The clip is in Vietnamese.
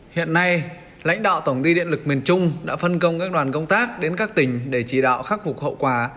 hiện nay lãnh đạo tổng ty điện lực miền trung đã phân công các đoàn công tác đến các tỉnh để chỉ đạo khắc phục hậu quả